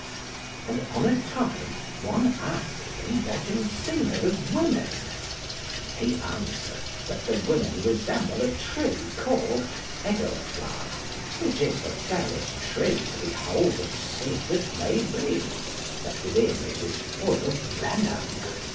And on a time one asked him what him semed of women; he answered that the women resemble a tree called Edelfla, which is the fairest tree to behold and see that may be, but within it is full of venom.